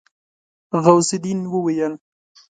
غوث الدين وويل.